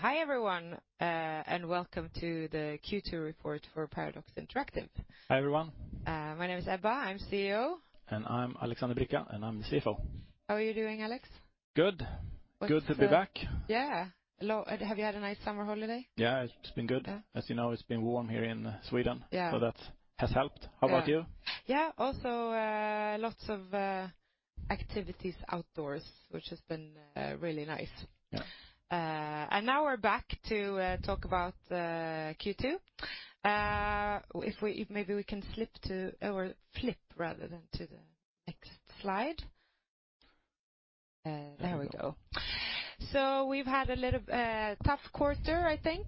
Hi everyone, and welcome to the Q2 report for Paradox Interactive. Hi everyone. My name is Ebba, I'm CEO. I'm Alexander Bricca, and I'm the CFO. How are you doing, Alex? Good. Good to be back. Yeah. Have you had a nice summer holiday? Yeah, it's been good. Yeah. As you know, it's been warm here in Sweden. Yeah. That has helped. How about you? Yeah. Also, lots of activities outdoors, which has been really nice. Yeah. Now we're back to talk about Q2. Maybe we can flip to the next slide. There we go. We've had a little tough quarter, I think.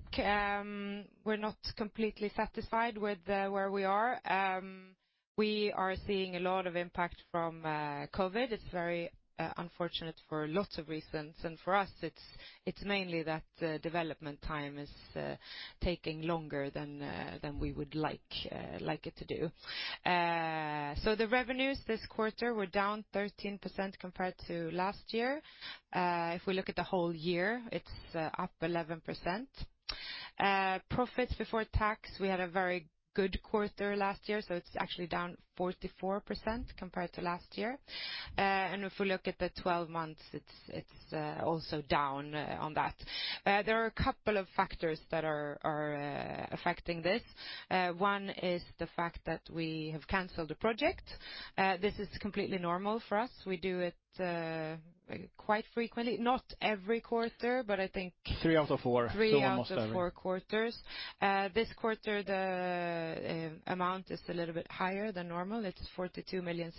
We're not completely satisfied with where we are. We are seeing a lot of impact from COVID. It's very unfortunate for lots of reasons, and for us, it's mainly that development time is taking longer than we would like it to do. The revenues this quarter were down 13% compared to last year. If we look at the whole year, it's up 11%. Profits before tax, we had a very good quarter last year, it's actually down 44% compared to last year. If we look at the 12 months, it's also down on that. There are a couple of factors that are affecting this. One is the fact that we have canceled a project. This is completely normal for us. We do it quite frequently, not every quarter, but I think. Three out of four. Three out of four quarters. This quarter, the amount is a little bit higher than normal. It is 42 million.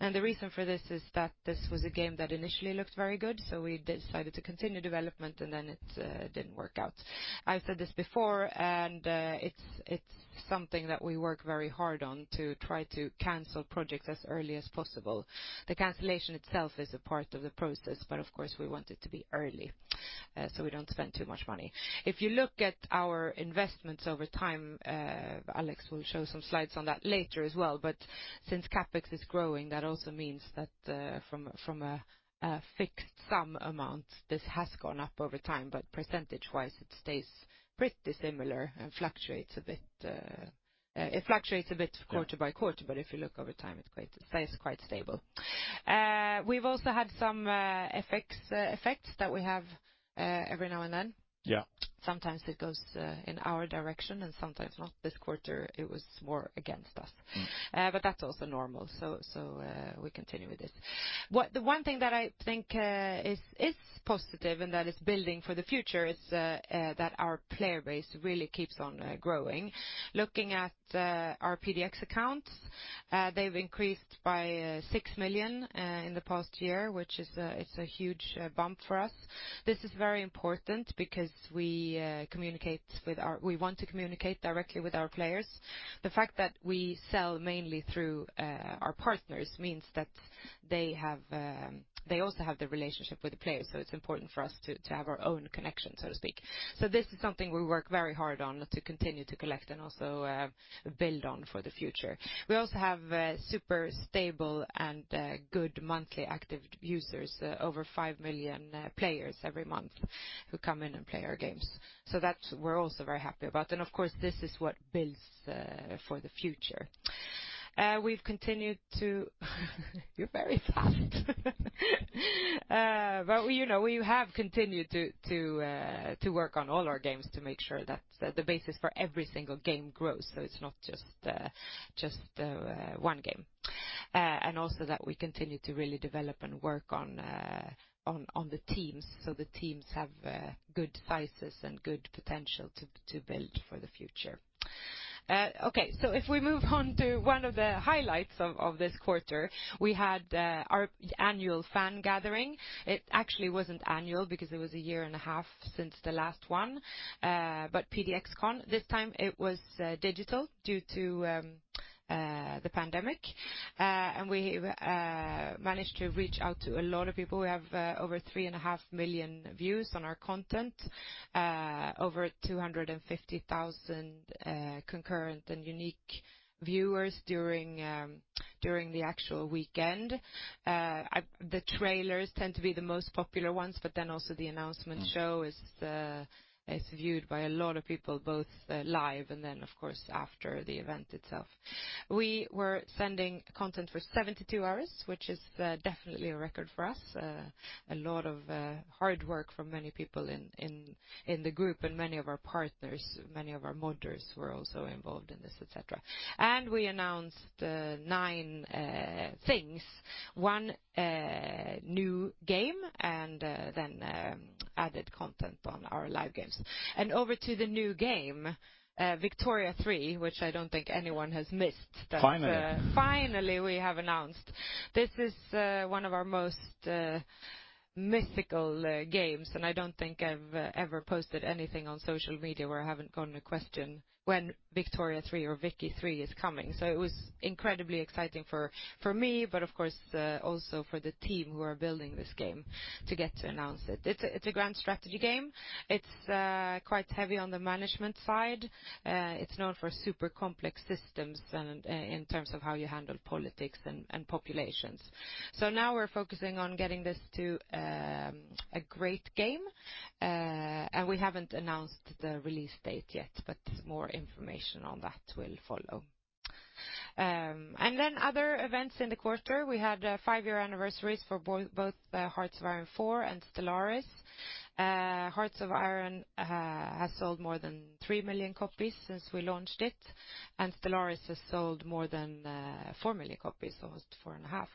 The reason for this is that this was a game that initially looked very good, so we decided to continue development, and then it didn't work out. I've said this before, it's something that we work very hard on to try to cancel projects as early as possible. The cancellation itself is a part of the process, of course, we want it to be early so we don't spend too much money. If you look at our investments over time, Alex will show some slides on that later as well, but since CapEx is growing, that also means that from a fixed sum amount, this has gone up over time, but percentage-wise it stays pretty similar and fluctuates a bit quarter by quarter, but if you look over time, it stays quite stable. We've also had some effects that we have every now and then. Yeah. Sometimes it goes in our direction and sometimes not. This quarter it was more against us. That's also normal, so we continue with this. The one thing that I think is positive and that is building for the future is that our player base really keeps on growing. Looking at our PDX accounts, they've increased by 6 million in the past year, which is a huge bump for us. This is very important because we want to communicate directly with our players. The fact that we sell mainly through our partners means that they also have the relationship with the players, so it's important for us to have our own connection, so to speak. This is something we work very hard on to continue to collect and also build on for the future. We also have super stable and good monthly active users, over 5 million players every month who come in and play our games. That we're also very happy about. Of course, this is what builds for the future. You're very fast. We have continued to work on all our games to make sure that the basis for every single game grows, so it's not just one game. Also that we continue to really develop and work on the teams, so the teams have good sizes and good potential to build for the future. Okay, if we move on to one of the highlights of this quarter, we had our annual fan gathering. It actually wasn't annual because it was a year and a half since the last one. PDXCON, this time it was digital due to the pandemic. We managed to reach out to a lot of people. We have over 3.5 million views on our content. Over 250,000 concurrent and unique viewers during the actual weekend. The trailers tend to be the most popular ones, but then also the announcement show is viewed by a lot of people, both live and then, of course, after the event itself. We were sending content for 72 hours, which is definitely a record for us. A lot of hard work from many people in the group and many of our partners, many of our modders who are also involved in this, et cetera. We announced nine things, one new game, and then added content on our live games. Over to the new game, Victoria 3, which I don't think anyone has missed that. Finally. Finally, we have announced. This is one of our most mythical games, and I don't think I've ever posted anything on social media where I haven't gotten a question when Victoria 3 or Vicky 3 is coming? It was incredibly exciting for me, but of course, also for the team who are building this game to get to announce it. It's a grand strategy game. It's quite heavy on the management side. It's known for super complex systems and in terms of how you handle politics and populations. Now we're focusing on getting this to a great game. We haven't announced the release date yet, but more information on that will follow. Other events in the quarter, we had five-year anniversaries for both Hearts of Iron IV and Stellaris. Hearts of Iron has sold more than 3 million copies since we launched it, and Stellaris has sold more than 4 million copies. Almost 4.5 million,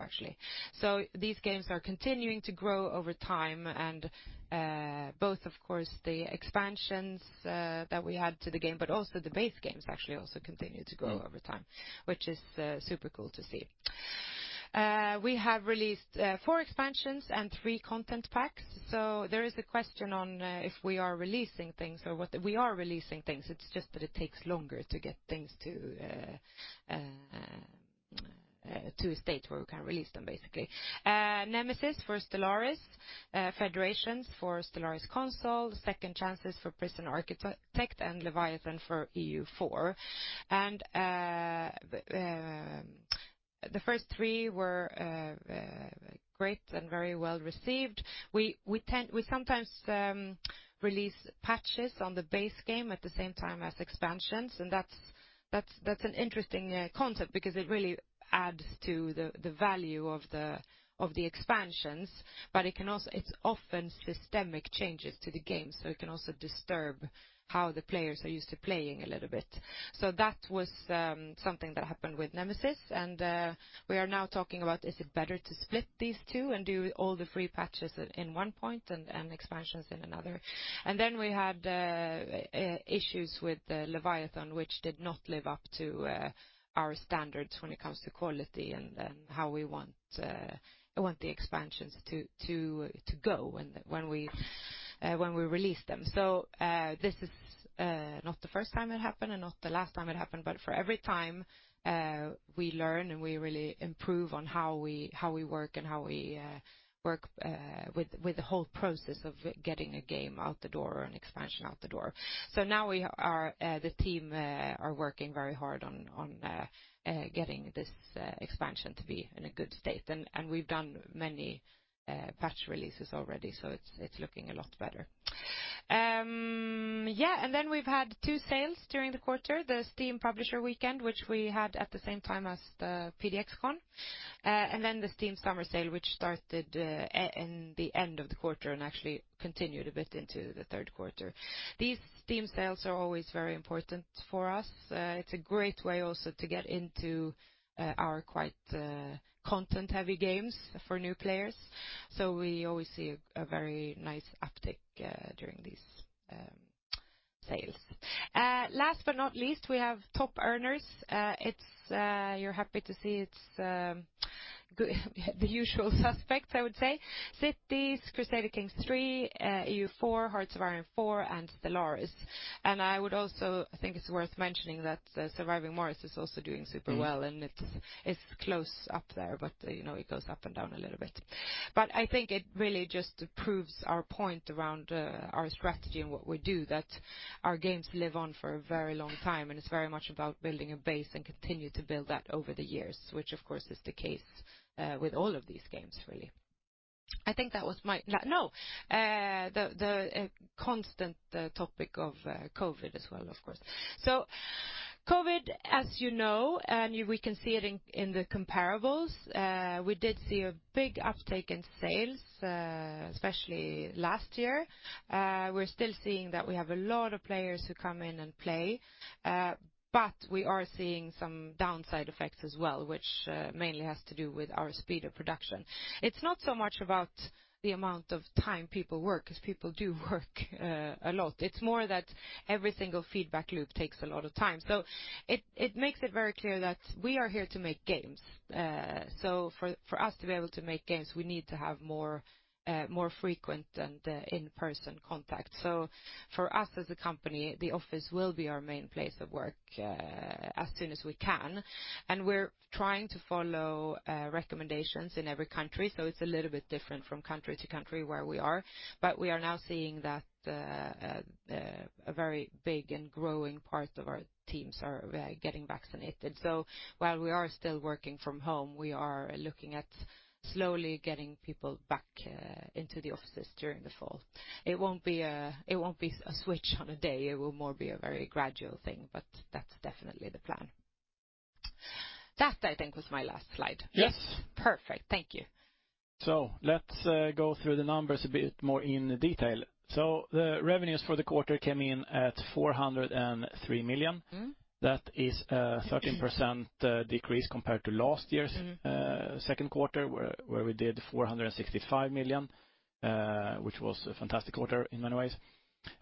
actually. These games are continuing to grow over time, and both of course the expansions that we had to the game, but also the base games actually also continue to grow over time, which is super cool to see. We have released four expansions and three content packs. There is a question on if we are releasing things or what. We are releasing things. It's just that it takes longer to get things to a state where we can release them, basically. Nemesis for Stellaris, Federations for Stellaris Console, Second Chances for Prison Architect, and Leviathan for EU4. The first three were great and very well-received. We sometimes release patches on the base game at the same time as expansions. That's an interesting concept because it really adds to the value of the expansions. It's often systemic changes to the game, so it can also disturb how the players are used to playing a little bit. That was something that happened with Nemesis. We are now talking about is it better to split these two and do all the free patches in one point and expansions in another. We had issues with Leviathan, which did not live up to our standards when it comes to quality and how we want the expansions to go when we release them. This is not the first time it happened and not the last time it happened, but for every time, we learn and we really improve on how we work and how we work with the whole process of getting a game out the door or an expansion out the door. Now the team are working very hard on getting this expansion to be in a good state. We've done many patch releases already, so it's looking a lot better. Then we've had two sales during the quarter, the Steam Publisher Weekend, which we had at the same time as the PDXCON, and then the Steam Summer Sale, which started in the end of the quarter and actually continued a bit into the third quarter. These Steam sales are always very important for us. It's a great way also to get into our quite content-heavy games for new players. We always see a very nice uptick during these sales. Last but not least, we have top earners. You're happy to see it's the usual suspects, I would say. Cities, Crusader Kings III, EU4, Hearts of Iron IV, and Stellaris. I would also think it's worth mentioning that Surviving Mars is also doing super well, and it is close up there, but it goes up and down a little bit. I think it really just proves our point around our strategy and what we do, that our games live on for a very long time, and it's very much about building a base and continue to build that over the years, which of course is the case with all of these games, really. I think that was. No. The constant topic of COVID as well, of course. COVID, as you know, and we can see it in the comparables, we did see a big uptake in sales, especially last year. We're still seeing that we have a lot of players who come in and play. We are seeing some downside effects as well, which mainly has to do with our speed of production. It's not so much about the amount of time people work because people do work a lot. It's more that every single feedback loop takes a lot of time. It makes it very clear that we are here to make games. For us to be able to make games, we need to have more frequent and in-person contact. For us as a company, the office will be our main place of work as soon as we can. We're trying to follow recommendations in every country, so it's a little bit different from country to country where we are. We are now seeing that a very big and growing part of our teams are getting vaccinated. While we are still working from home, we are looking at slowly getting people back into the offices during the fall. It won't be a switch on a day. It will more be a very gradual thing, but that's definitely the plan. That I think was my last slide. Yes. Perfect. Thank you. Let's go through the numbers a bit more in detail. The revenues for the quarter came in at 403 million. That is a 13% decrease compared to last year's second quarter where we did 465 million, which was a fantastic quarter in many ways.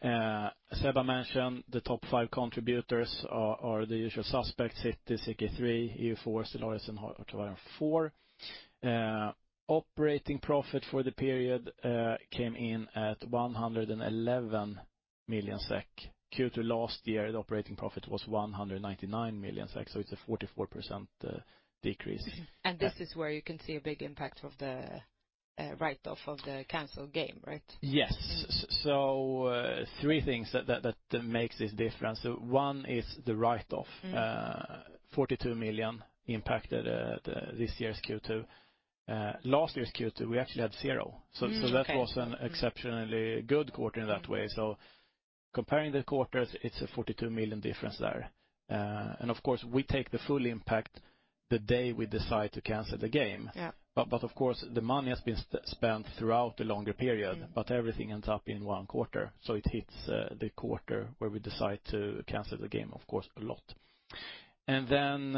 Ebba mentioned the top five contributors are the usual suspects, Cities, CK3, EU4, Stellaris, and Hearts of Iron IV. Operating profit for the period came in at 111 million SEK. Q2 last year, the operating profit was 199 million SEK, so it's a 44% decrease. This is where you can see a big impact of the write-off of the canceled game, right? Yes. Three things that makes this difference. One is the write-off. 42 million impacted this year's Q2. Last year's Q2, we actually had 0. Mm-kay. That was an exceptionally good quarter in that way. Comparing the quarters, it's a 42 million difference there. Of course, we take the full impact the day we decide to cancel the game. Yeah. Of course, the money has been spent throughout the longer period, but everything ends up in one quarter, so it hits the quarter where we decide to cancel the game, of course, a lot. Then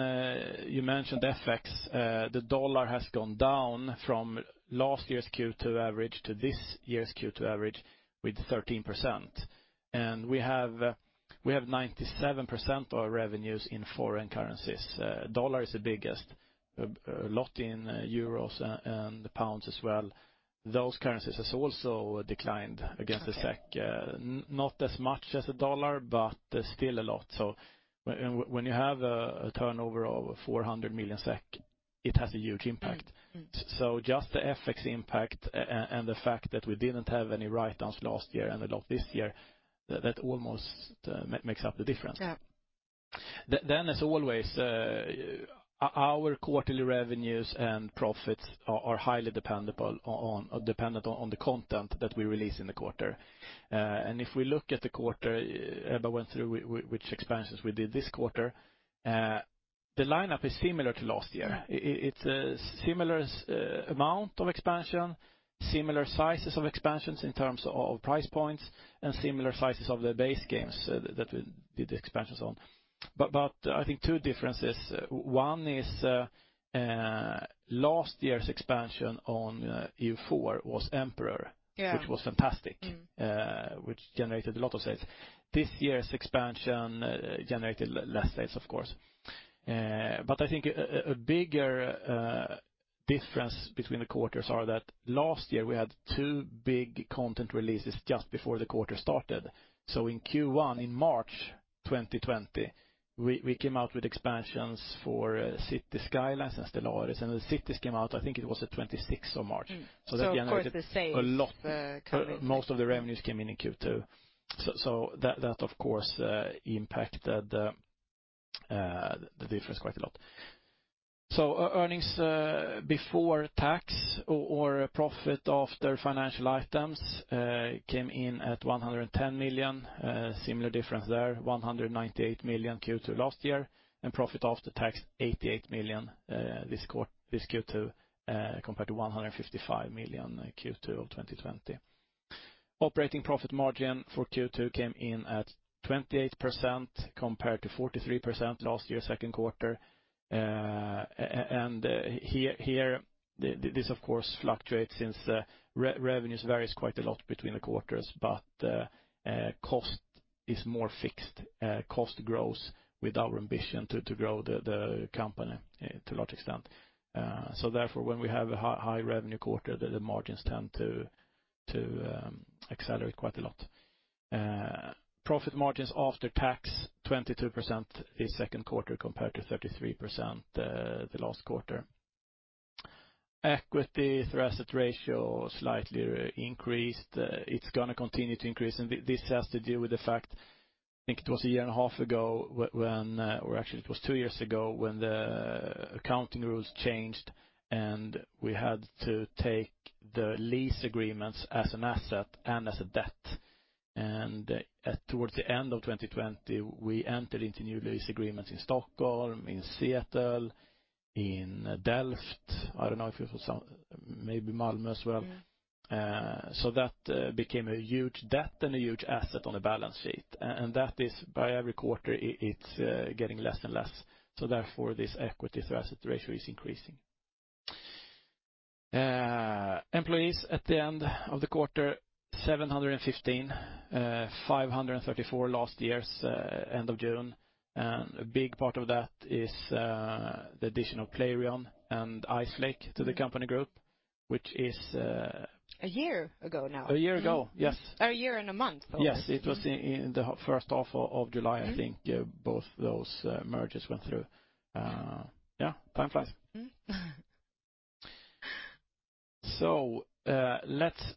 you mentioned FX. The dollar has gone down from last year's Q2 average to this year's Q2 average with 13%. We have 97% of our revenues in foreign currencies. Dollar is the biggest, a lot in EUR and GBP as well. Those currencies has also declined against the SEK. Okay. Not as much as the dollar, but still a lot. When you have a turnover of 400 million SEK, it has a huge impact. Just the FX impact and the fact that we didn't have any write-downs last year and a lot this year, that almost makes up the difference. As always, our quarterly revenues and profits are highly dependent on the content that we release in the quarter. If we look at the quarter, Ebba went through which expansions we did this quarter, the lineup is similar to last year. It's a similar amount of expansion, similar sizes of expansions in terms of price points, and similar sizes of the base games that we did the expansions on. I think two differences. One is last year's expansion on EU4 was Emperor. Which was fantastic, which generated a lot of sales. This year's expansion generated less sales, of course. I think a bigger difference between the quarters are that last year we had two big content releases just before the quarter started. In Q1, in March 2020, we came out with expansions for Cities: Skylines and Stellaris, and Cities came out, I think it was the March 26th. Of course the sales coming through most of the revenues came in in Q2. That, of course, impacted the difference quite a lot. Earnings before tax or profit after financial items came in at 110 million. Similar difference there, 198 million Q2 last year, and profit after tax 88 million this Q2 compared to 155 million Q2 of 2020. Operating profit margin for Q2 came in at 28% compared to 43% last year second quarter. Here, this of course fluctuates since revenues varies quite a lot between the quarters, but cost is more fixed. Cost grows with our ambition to grow the company to a large extent. Therefore, when we have a high revenue quarter, the margins tend to accelerate quite a lot. Profit margins after tax, 22% this second quarter compared to 33% the last quarter. Equity to asset ratio slightly increased. It's going to continue to increase, this has to deal with the fact, I think it was a year and a half ago, or actually it was two years ago, when the accounting rules changed and we had to take the lease agreements as an asset and as a debt. Towards the end of 2020, we entered into new lease agreements in Stockholm, in Seattle, in Delft. I don't know if it was maybe Malmö as well. Yeah. That became a huge debt and a huge asset on the balance sheet. That is, by every quarter, it's getting less and less. Therefore, this equity to asset ratio is increasing. Employees at the end of the quarter, 715. 534 last year's end of June. A big part of that is the addition of Playrion and Iceflake to the company group, which is- A year ago now. A year ago, yes. A year and a month almost. Yes, it was in the first half of July, I think, both those merges went through. Yeah, time flies. Let's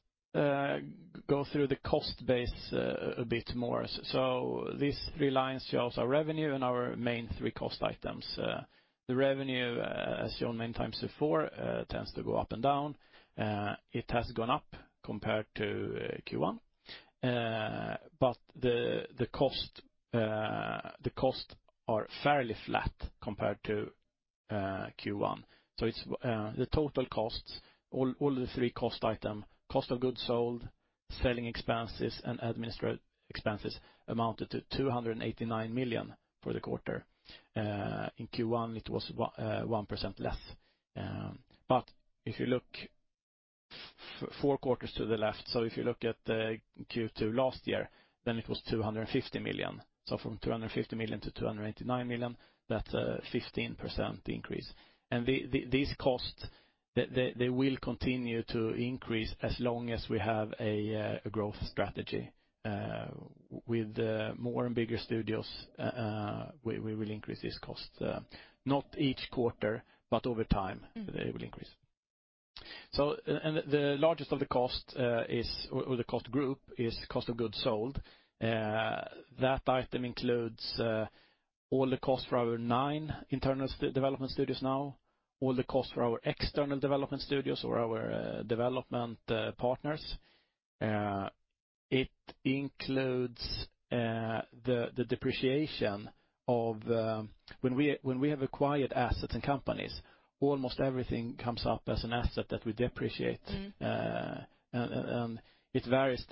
go through the cost base a bit more. This relies on our revenue and our main three cost items. The revenue, as shown many times before, tends to go up and down. It has gone up compared to Q1. The cost are fairly flat compared to Q1. The total costs, all the three cost item, cost of goods sold, selling expenses, and administrative expenses amounted to 289 million for the quarter. In Q1, it was 1% less. If you look four quarters to the left, if you look at the Q2 last year, it was 250 million. From 250 million to 289 million, that's a 15% increase. These costs, they will continue to increase as long as we have a growth strategy with more and bigger studios, we will increase these costs. Not each quarter, over time they will increase. The largest of the cost group is the cost of goods sold. That item includes all the costs for our nine internal development studios now. All the costs for our external development studios or our development partners. It includes the depreciation when we have acquired assets and companies, almost everything comes up as an asset that we depreciate. It varies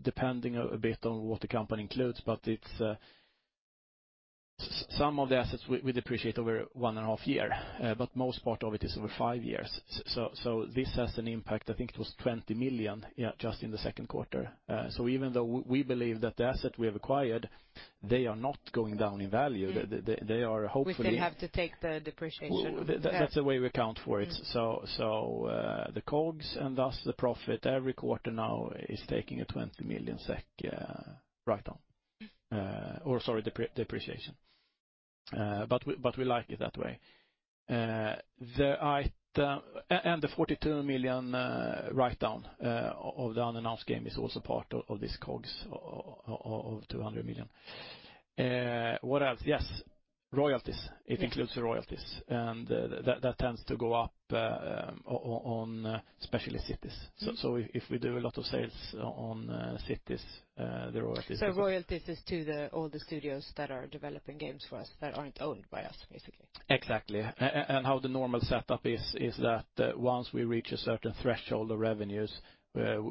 depending a bit on what the company includes, but some of the assets we depreciate over one and a half year, but most part of it is over five years. This has an impact, I think it was 20 million just in the second quarter. Even though we believe that the asset we have acquired, they are not going down in value. Yeah. They are hopefully- We still have to take the depreciation. That's the way we account for it. The COGS, and thus the profit every quarter now is taking a 20 million SEK write-down. Sorry, depreciation. We like it that way. The 42 million write-down of the unannounced game is also part of this COGS of 200 million. What else? Yes, royalties. Yeah. It includes royalties. That tends to go up on especially Cities. If we do a lot of sales on Cities. Royalties is to all the studios that are developing games for us that aren't owned by us, basically. Exactly. How the normal setup is that once we reach a certain threshold of revenues,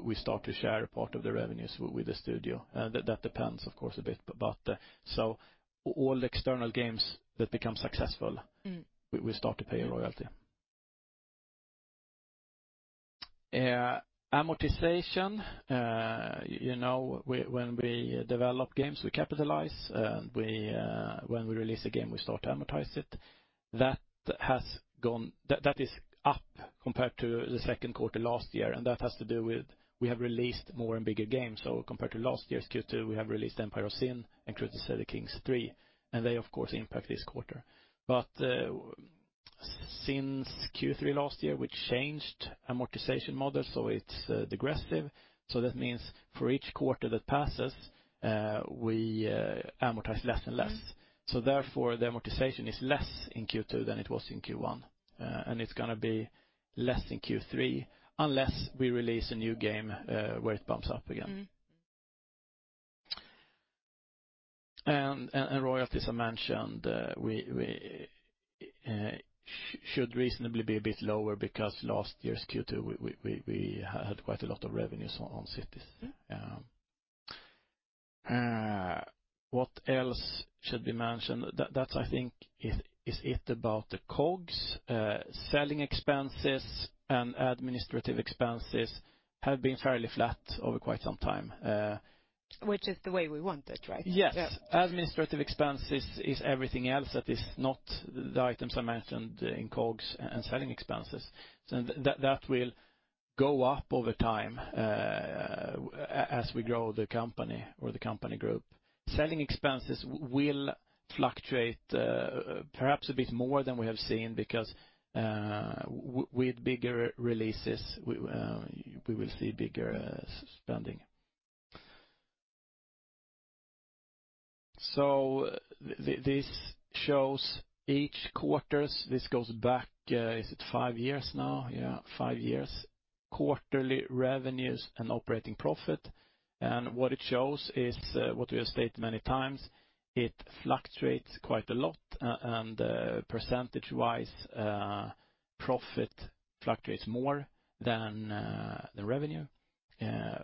we start to share a part of the revenues with the studio. That depends, of course, a bit, but all external games that become successful. We start to pay a royalty. Amortization, when we develop games, we capitalize, and when we release a game, we start to amortize it. That is up compared to the second quarter last year, and that has to do with we have released more and bigger games. Compared to last year's Q2, we have released Empire of Sin and Crusader Kings 3, and they of course impact this quarter. Since Q3 last year, we changed amortization model, so it's degressive. That means for each quarter that passes, we amortize less and less. Therefore, the amortization is less in Q2 than it was in Q1. It's going to be less in Q3 unless we release a new game where it bumps up again. Royalties, I mentioned, should reasonably be a bit lower because last year's Q2, we had quite a lot of revenues on Cities. What else should we mention? That, I think, is it about the COGS. Selling expenses and administrative expenses have been fairly flat over quite some time. Which is the way we want it, right? Yes. Yeah. Administrative expenses is everything else that is not the items I mentioned in COGS and selling expenses. That will go up over time as we grow the company or the company group. Selling expenses will fluctuate perhaps a bit more than we have seen because with bigger releases, we will see bigger spending. This shows each quarters, this goes back, is it five years now? Yeah, five years. Quarterly revenues and operating profit. What it shows is what we have stated many times, it fluctuates quite a lot, and percentage-wise, profit fluctuates more than the revenue,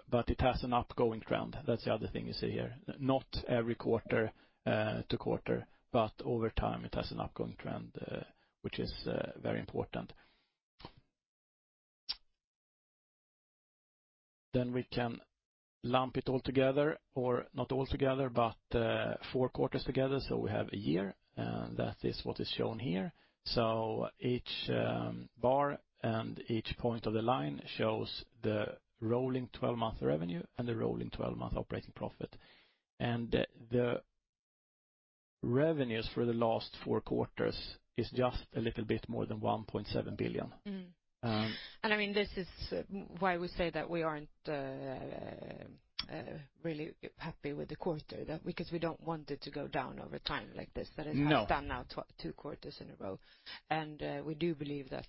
but it has an ongoing trend. That's the other thing you see here. Not every quarter to quarter, but over time it has an ongoing trend, which is very important. We can lump it all together, or not all together, but four quarters together so we have a year, and that is what is shown here. Each bar and each point of the line shows the rolling 12-month revenue and the rolling 12-month operating profit. The revenues for the last four quarters is just a little bit more than 1.7 billion. Mm-hmm. This is why we say that we aren't really happy with the quarter, because we don't want it to go down over time like this. No. That it has done now two quarters in a row. We do believe that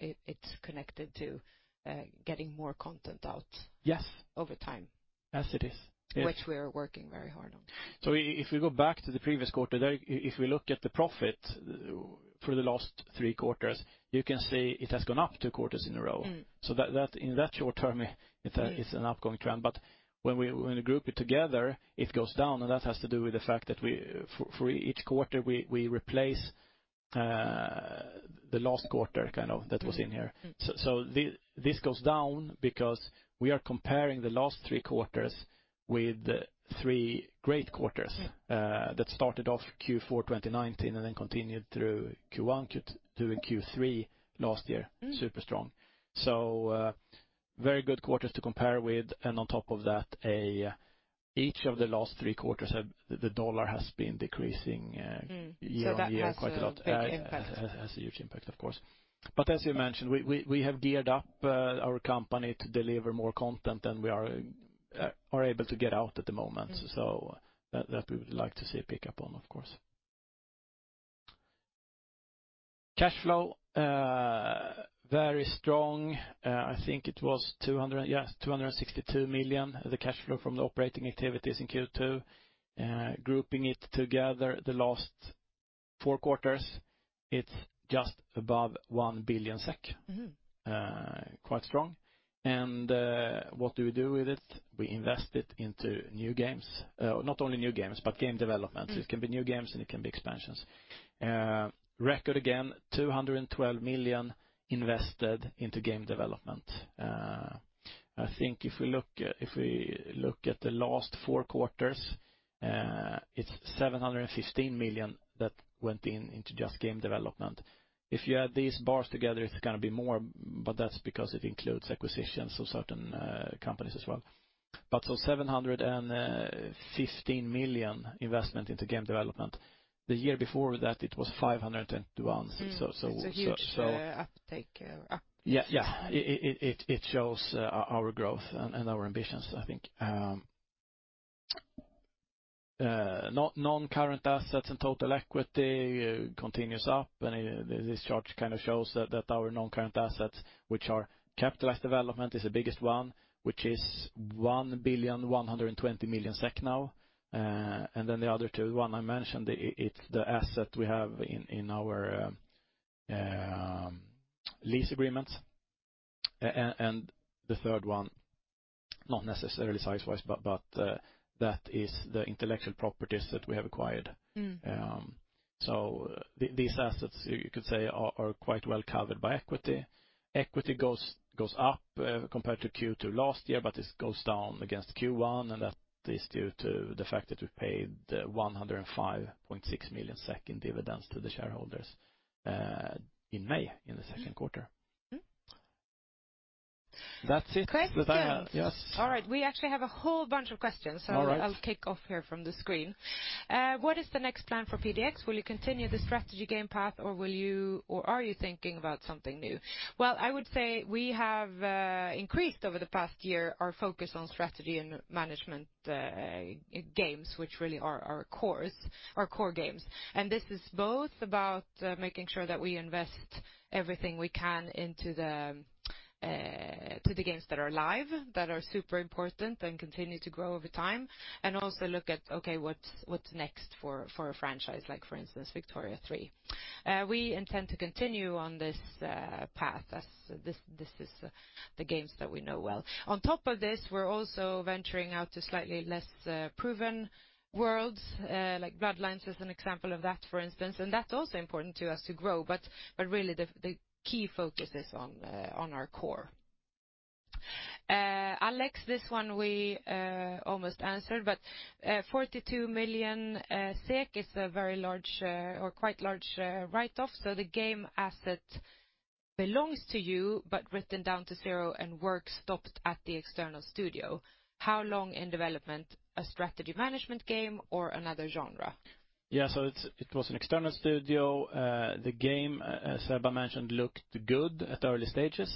it's connected to getting more content out. Yes. Over time. Yes, it is. Yeah. Which we are working very hard on. If we go back to the previous quarter, if we look at the profit for the last three quarters, you can see it has gone up two quarters in a row. In that short term, it is an upcoming trend. When we group it together, it goes down, and that has to do with the fact that for each quarter, we replace the last quarter, kind of, that was in here. This goes down because we are comparing the last three quarters with three great quarters. Yeah. That started off Q4 2019 and then continued through Q1 to Q3 last year. Super strong. Very good quarters to compare with. On top of that, each of the last three quarters, the dollar has been decreasing year-on-year quite a lot. That has a big impact. Has a huge impact, of course. As you mentioned, we have geared up our company to deliver more content than we are able to get out at the moment. That we would like to see a pickup on, of course. Cash flow, very strong. I think it was 262 million, the cash flow from the operating activities in Q2. Grouping it together the last four quarters, it's just above 1 billion SEK. Quite strong. What do we do with it? We invest it into new games. Not only new games, but game development. It can be new games and it can be expansions. Record again, 212 million invested into game development. I think if we look at the last four quarters, it's 715 million that went into just game development. If you add these bars together, it's going to be more, but that's because it includes acquisitions of certain companies as well. 715 million investment into game development. The year before that it was 521. It's a huge uptake. Yeah. It shows our growth and our ambitions, I think. Non-current assets and total equity continues up. This chart kind of shows that our non-current assets, which are capitalized development is the biggest one, which is 1.120 billion now. The other two, one I mentioned, it's the asset we have in our lease agreements. The third one, not necessarily size-wise, but that is the intellectual properties that we have acquired. These assets, you could say, are quite well covered by equity. Equity goes up compared to Q2 last year, but this goes down against Q1, and that is due to the fact that we paid 105.6 million in dividends to the shareholders in May, in the second quarter. That's it that I have. Yes. Questions. All right. We actually have a whole bunch of questions. All right. I'll kick off here from the screen. What is the next plan for PDX? Will you continue the strategy game path or are you thinking about something new? Well, I would say we have increased over the past year our focus on strategy and management games, which really are our core games. This is both about making sure that we invest everything we can into the games that are live, that are super important and continue to grow over time, and also look at what's next for a franchise, like for instance, Victoria 3. We intend to continue on this path as this is the games that we know well. On top of this, we're also venturing out to slightly less proven worlds, like Bloodlines is an example of that, for instance, and that's also important to us to grow. Really the key focus is on our core. Alex, this one we almost answered, but 42 million is a very large or quite large write-off. The game asset belongs to you, but written down to zero and work stopped at the external studio. How long in development? A strategy management game or another genre? It was an external studio. The game, as Ebba mentioned, looked good at early stages.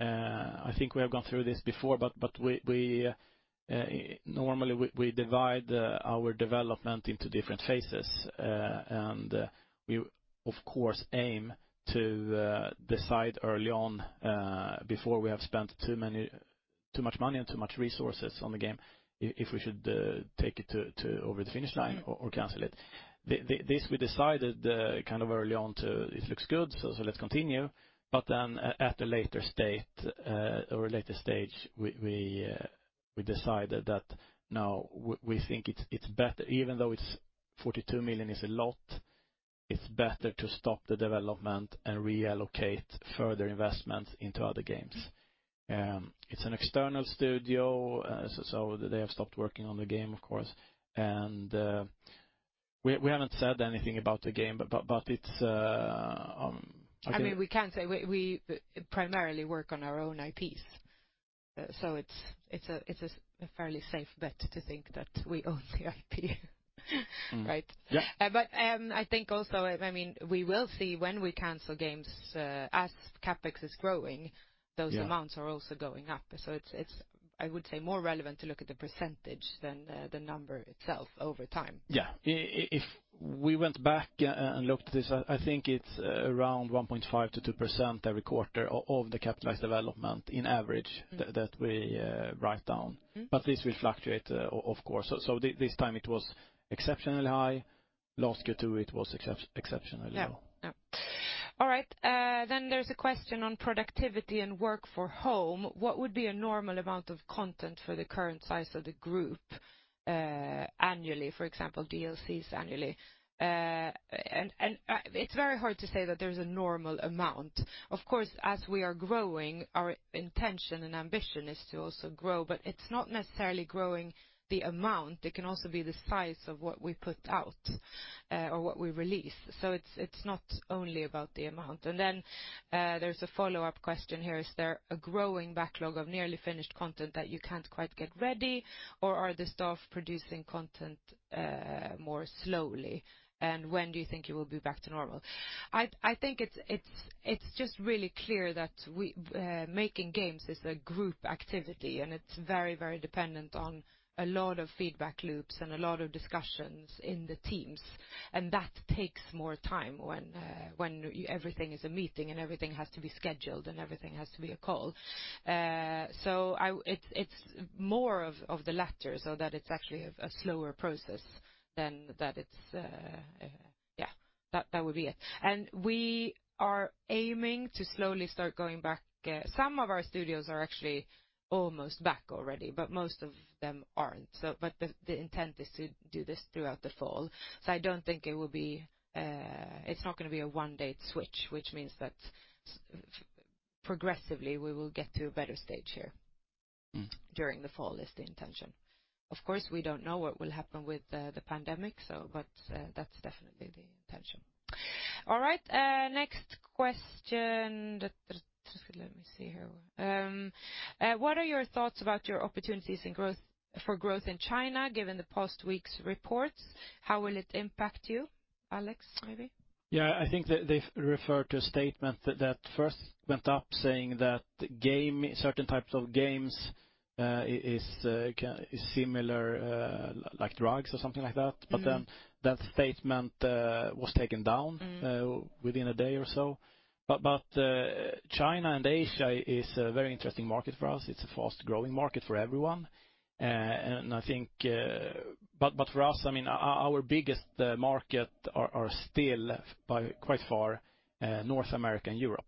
I think we have gone through this before. Normally we divide our development into different phases. We, of course, aim to decide early on, before we have spent too much money and too much resources on the game, if we should take it over the finish line or cancel it. This we decided kind of early on, this looks good. Let's continue. At a later stage, we decided that now we think it's better, even though 42 million is a lot, it's better to stop the development and reallocate further investments into other games. It's an external studio. They have stopped working on the game, of course. We haven't said anything about the game. We can say we primarily work on our own IPs. It's a fairly safe bet to think that we own the IP, right? Yeah. I think also, we will see when we cancel games, as CapEx is growing. Yeah. Those amounts are also going up. It's, I would say, more relevant to look at the percentage than the number itself over time. Yeah. If we went back and looked at this, I think it's around 1.5%-2% every quarter of the capitalized development on average that we write down. This will fluctuate, of course. This time it was exceptionally high. Last Q2, it was exceptionally low. Yeah. All right. There's a question on productivity and work from home. What would be a normal amount of content for the current size of the group annually, for example, DLCs annually? It's very hard to say that there's a normal amount. Of course, as we are growing, our intention and ambition is to also grow, but it's not necessarily growing the amount. It can also be the size of what we put out or what we release. It's not only about the amount. There's a follow-up question here. Is there a growing backlog of nearly finished content that you can't quite get ready, or are the staff producing content more slowly? When do you think it will be back to normal? I think it's just really clear that making games is a group activity, and it's very dependent on a lot of feedback loops and a lot of discussions in the teams, and that takes more time when everything is a meeting and everything has to be scheduled and everything has to be a call. It's more of the latter, so that it's actually a slower process than that. That would be it. We are aiming to slowly start going back. Some of our studios are actually almost back already, but most of them aren't. The intent is to do this throughout the fall. I don't think it's not going to be a one-date switch, which means that progressively we will get to a better stage here during the fall is the intention. Of course, we don't know what will happen with the pandemic, but that's definitely the intention. All right, next question. Just let me see here. What are your thoughts about your opportunities for growth in China, given the past week's reports? How will it impact you, Alex, maybe? Yeah, I think they refer to a statement that first went up saying that certain types of games is similar like drugs or something like that. That statement was taken down within a day or so. China and Asia is a very interesting market for us. It's a fast-growing market for everyone. For us, our biggest markets are still by quite far North America and Europe.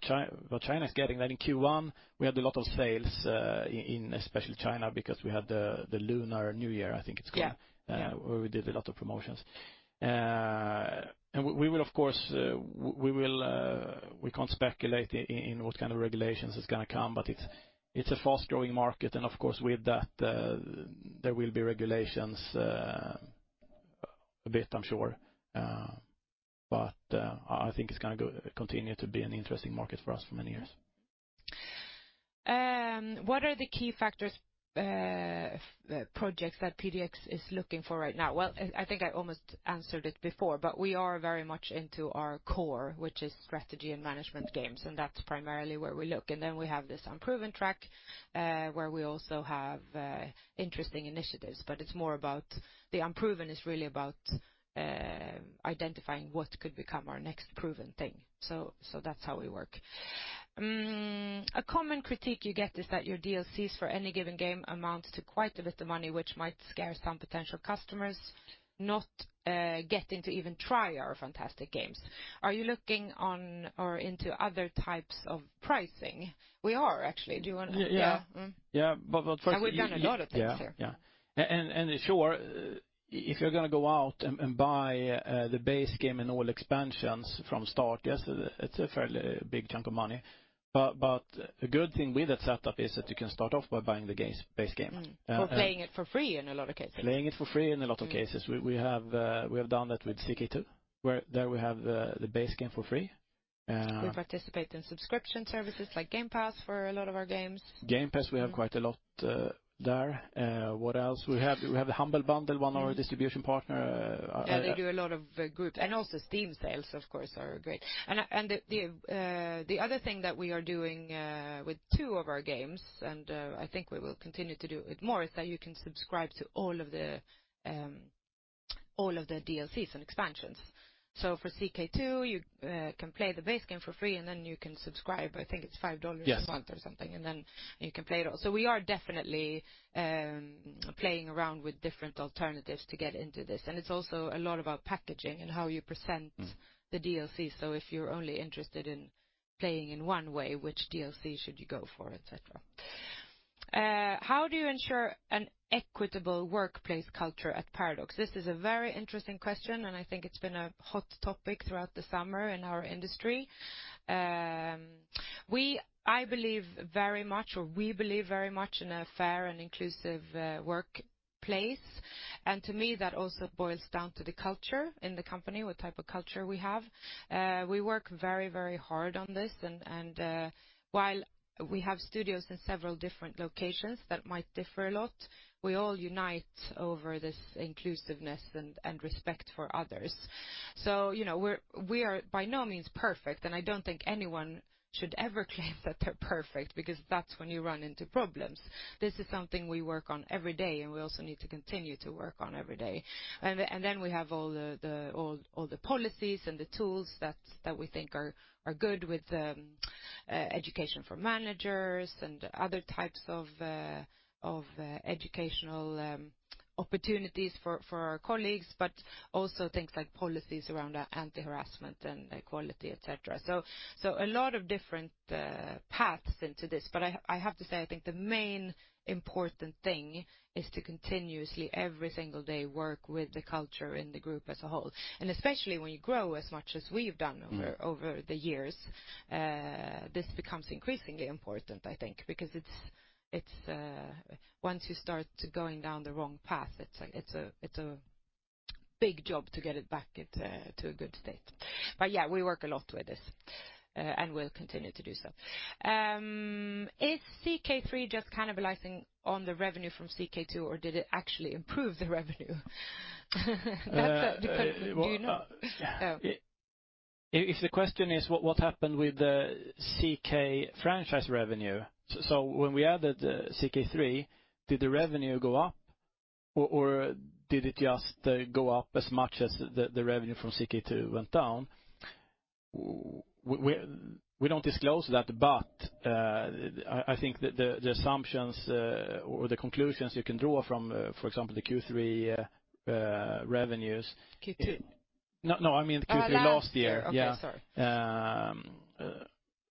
China is getting there. In Q1, we had a lot of sales in especially China because we had the Lunar New Year. Yeah. Where we did a lot of promotions. We can't speculate in what kind of regulations is going to come, but it's a fast-growing market, and of course, with that, there will be regulations a bit, I'm sure. I think it's going to continue to be an interesting market for us for many years. What are the key factors projects that PDX is looking for right now? I think I almost answered it before, but we are very much into our core, which is strategy and management games, and that's primarily where we look. Then we have this unproven track where we also have interesting initiatives. The unproven is really about identifying what could become our next proven thing. That's how we work. A common critique you get is that your DLCs for any given game amounts to quite a bit of money, which might scare some potential customers not getting to even try our fantastic games. Are you looking on or into other types of pricing? We are actually. Do you want to- Yeah. We've done a lot of things here. Yeah. Sure, if you're going to go out and buy the base game and all expansions from start, yes, it's a fairly big chunk of money. A good thing with that setup is that you can start off by buying the base game. Playing it for free in a lot of cases. Playing it for free in a lot of cases. We have done that with CK2, where there we have the base game for free. We participate in subscription services like Game Pass for a lot of our games. Game Pass, we have quite a lot there. What else? We have the Humble Bundle, one of our distribution partner. Yeah, they do a lot of group. Also Steam sales, of course, are great. The other thing that we are doing with two of our games, and I think we will continue to do it more, is that you can subscribe to all of the DLCs and expansions. For CK2, you can play the base game for free, and then you can subscribe. I think it's SEK 5 a month or something. Yes. You can play it all. We are definitely playing around with different alternatives to get into this, and it is also a lot about packaging and how you present the DLC. If you are only interested in playing in one way, which DLC should you go for, et cetera. How do you ensure an equitable workplace culture at Paradox? This is a very interesting question, and I think it has been a hot topic throughout the summer in our industry. I believe very much, or we believe very much in a fair and inclusive workplace. To me, that also boils down to the culture in the company, what type of culture we have. We work very hard on this, and while we have studios in several different locations that might differ a lot, we all unite over this inclusiveness and respect for others. We are by no means perfect, and I don't think anyone should ever claim that they're perfect because that's when you run into problems. This is something we work on every day, and we also need to continue to work on every day. We have all the policies and the tools that we think are good with education for managers and other types of educational opportunities for our colleagues, but also things like policies around anti-harassment and equality, et cetera. A lot of different paths into this, but I have to say, I think the main important thing is to continuously, every single day, work with the culture in the group as a whole. Especially when you grow as much as we've done over the years, this becomes increasingly important, I think, because once you start going down the wrong path, it's a big job to get it back to a good state. Yeah, we work a lot with this. Will continue to do so. Is CK3 just cannibalizing on the revenue from CK2, or did it actually improve the revenue? Do you know? If the question is what happened with the CK franchise revenue, when we added CK3, did the revenue go up or did it just go up as much as the revenue from CK2 went down? We don't disclose that, I think that the assumptions or the conclusions you can draw from, for example, the Q3 revenues. Q2. No, I mean Q3 last year. Last year. Okay, sorry.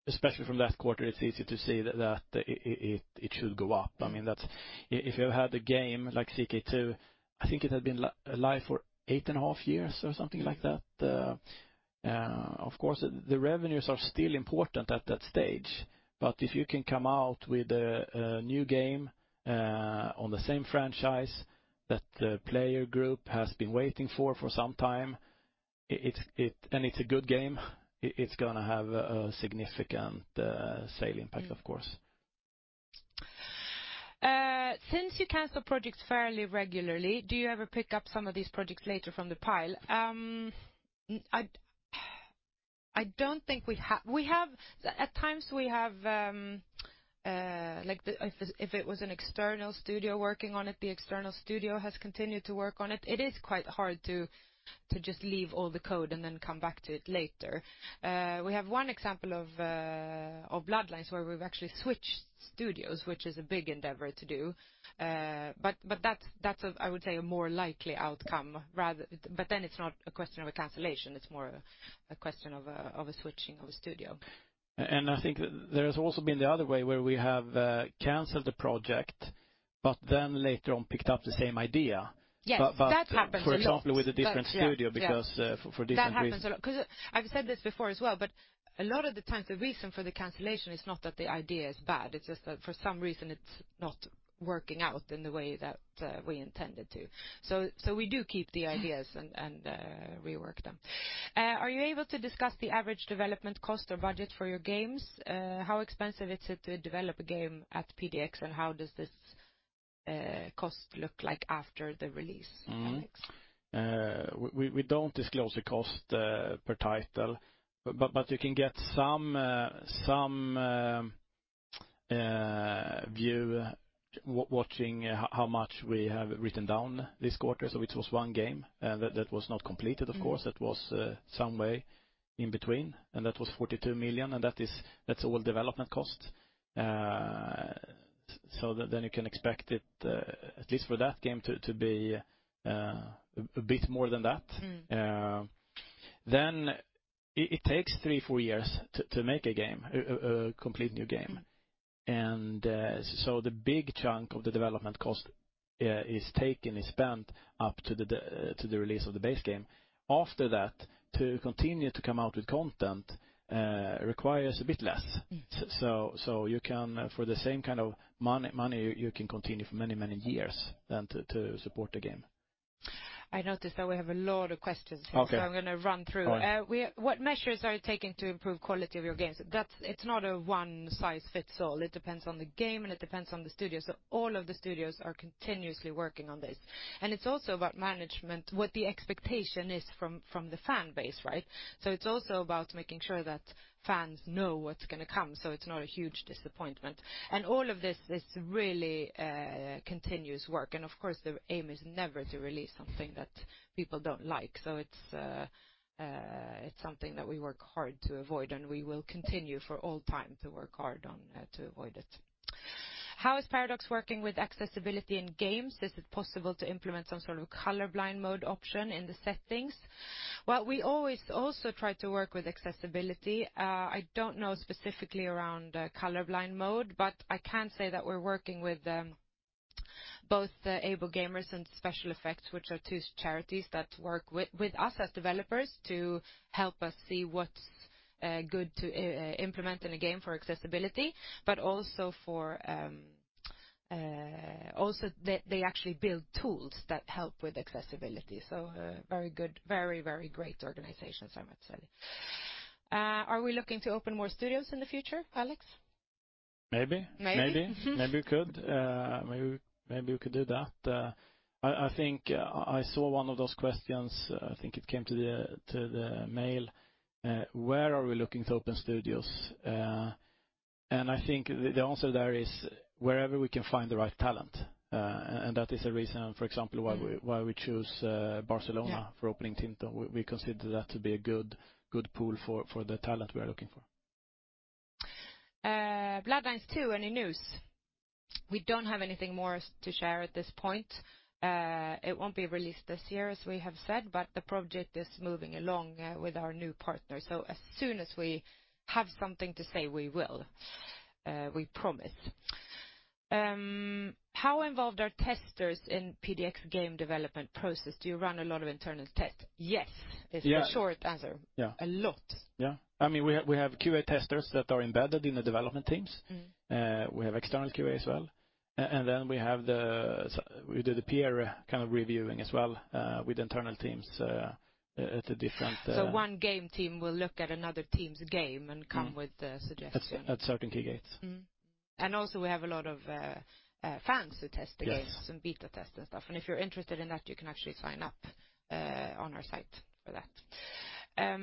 Especially from last quarter, it's easy to see that it should go up. If you have had a game like CK2, I think it had been live for eight and a half years or something like that. Of course, the revenues are still important at that stage. If you can come out with a new game on the same franchise that the player group has been waiting for some time, and it's a good game, it's going to have a significant sale impact, of course. Since you cancel projects fairly regularly, do you ever pick up some of these projects later from the pile? At times we have, if it was an external studio working on it, the external studio has continued to work on it. It is quite hard to just leave all the code and then come back to it later. We have one example of Bloodlines where we've actually switched studios, which is a big endeavor to do. That's, I would say, a more likely outcome. Then it's not a question of a cancellation, it's more a question of a switching of studio. I think there has also been the other way, where we have canceled the project, but then later on picked up the same idea. Yes, that happens a lot. For example, with a different studio because for different reasons. That happens a lot. I've said this before as well, a lot of the times, the reason for the cancellation is not that the idea is bad, it's just that for some reason, it's not working out in the way that we intended to. We do keep the ideas and rework them. Are you able to discuss the average development cost or budget for your games? How expensive is it to develop a game at PDX, and how does this cost look like after the release, Alex? We don't disclose the cost per title. You can get some view watching how much we have written down this quarter. It was one game that was not completed, of course, that was somewhere in between, and that was 42 million, and that's all development cost. You can expect it, at least for that game, to be a bit more than that. It takes three, four years to make a game, a complete new game. The big chunk of the development cost is spent up to the release of the base game. After that, to continue to come out with content requires a bit less. For the same kind of money, you can continue for many, many years than to support the game. I noticed that we have a lot of questions here. Okay. I'm going to run through. All right. What measures are you taking to improve quality of your games? It's not a one-size-fits-all. It depends on the game and it depends on the studio. All of the studios are continuously working on this. It's also about management, what the expectation is from the fan base, right? It's also about making sure that fans know what's going to come, so it's not a huge disappointment. All of this is really continuous work. Of course, the aim is never to release something that people don't like. It's something that we work hard to avoid, and we will continue for all time to work hard on to avoid it. How is Paradox working with accessibility in games? Is it possible to implement some sort of colorblind mode option in the settings? Well, we always also try to work with accessibility. I don't know specifically around colorblind mode, but I can say that we're working with both the AbleGamers and SpecialEffect, which are two charities that work with us as developers to help us see what's good to implement in a game for accessibility, but also they actually build tools that help with accessibility. Very good. Very great organizations, I must say. Are we looking to open more studios in the future, Alex? Maybe. Maybe. Maybe we could. Maybe we could do that. I think I saw one of those questions. I think it came to the mail. Where are we looking to open studios? I think the answer there is wherever we can find the right talent. That is a reason, for example, why we choose Barcelona for opening Tinto. We consider that to be a good pool for the talent we are looking for. Bloodlines 2, any news? We don't have anything more to share at this point. It won't be released this year, as we have said, but the project is moving along with our new partner. As soon as we have something to say, we will. We promise. How involved are testers in PDX game development process? Do you run a lot of internal tests? Yes- Yeah. is the short answer. Yeah. A lot. Yeah. We have QA testers that are embedded in the development teams. We have external QA as well. We do the peer kind of reviewing as well with internal teams. One game team will look at another team's game and come with the suggestion. At certain key gates. Mm-hmm. Also we have a lot of fans who test the games. Yes. Some beta test and stuff. If you're interested in that, you can actually sign up on our site for that.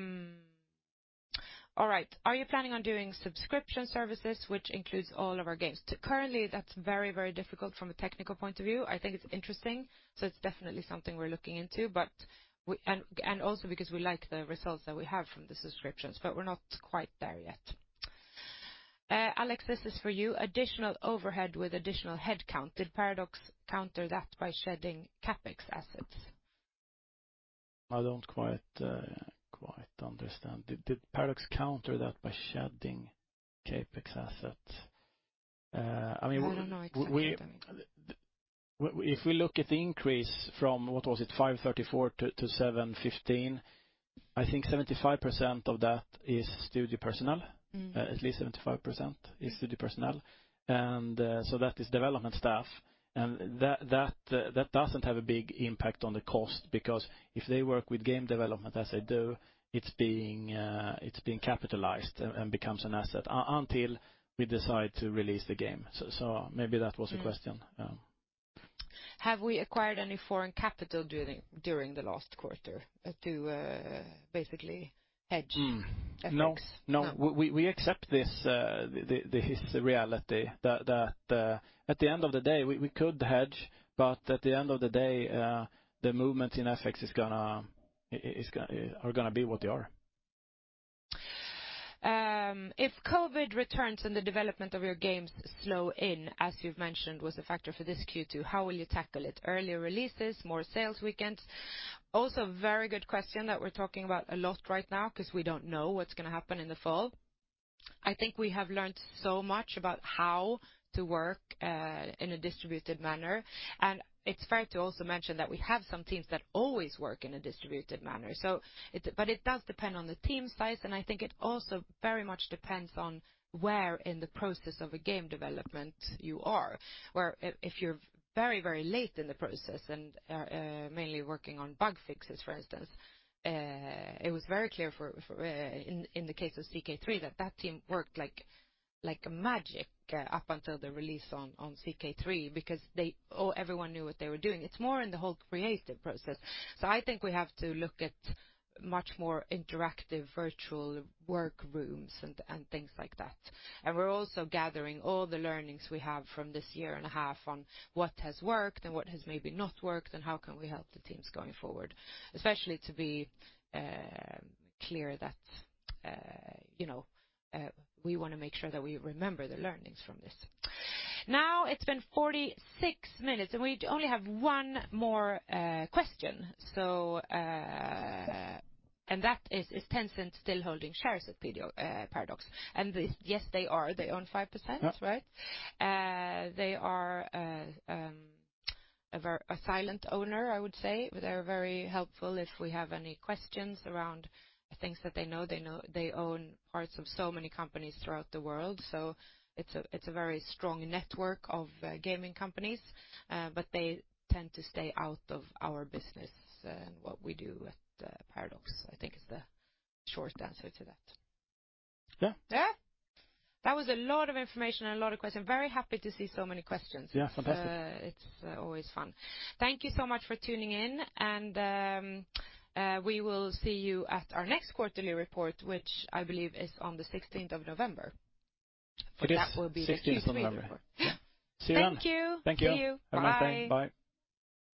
All right. Are you planning on doing subscription services, which includes all of our games? Currently, that's very difficult from a technical point of view. I think it's interesting, so it's definitely something we're looking into, and also because we like the results that we have from the subscriptions, but we're not quite there yet. Alex, this is for you. Additional overhead with additional headcount. Did Paradox counter that by shedding CapEx assets? I don't quite understand. Did Paradox counter that by shedding CapEx assets? I don't know exactly what that means. If we look at the increase from, what was it, 534 to 715, I think 75% of that is studio personnel. At least 75% is studio personnel. That is development staff. That doesn't have a big impact on the cost because if they work with game development, as they do, it's being capitalized and becomes an asset until we decide to release the game. Maybe that was the question. Have we acquired any foreign capital during the last quarter to basically hedge FX? No. We accept this. This is the reality that at the end of the day, we could hedge, but at the end of the day, the movement in FX are going to be what they are. If COVID returns and the development of your games slow in, as you've mentioned was a factor for this Q2, how will you tackle it? Earlier releases, more sales weekends? A very good question that we're talking about a lot right now because we don't know what's going to happen in the fall. I think we have learned so much about how to work in a distributed manner. It's fair to also mention that we have some teams that always work in a distributed manner. It does depend on the team size, and I think it also very much depends on where in the process of a game development you are, where if you're very late in the process and are mainly working on bug fixes, for instance, it was very clear in the case of CK3 that that team worked like magic up until the release on CK3 because everyone knew what they were doing. It's more in the whole creative process. I think we have to look at much more interactive virtual work rooms and things like that. We're also gathering all the learnings we have from this year and a half on what has worked and what has maybe not worked, and how can we help the teams going forward. Especially to be clear that we want to make sure that we remember the learnings from this. Now, it's been 46 minutes, and we only have one more question. That is Tencent still holding shares at Paradox? Yes, they are. They own 5%, right? Yeah. They are a silent owner, I would say. They are very helpful if we have any questions around things that they know. They own parts of so many companies throughout the world, so it's a very strong network of gaming companies. They tend to stay out of our business and what we do at Paradox, I think is the short answer to that. Yeah. Yeah. That was a lot of information and a lot of questions. Very happy to see so many questions. Yeah. Fantastic. It's always fun. Thank you so much for tuning in. We will see you at our next quarterly report, which I believe is on the November 16th. It is. November 16th. That will be the Q3 report. See you then. Thank you. Thank you. See you. Bye. Have a nice day. Bye.